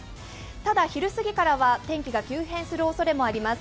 ただ昼過ぎからは天気が急変するおそれもあります。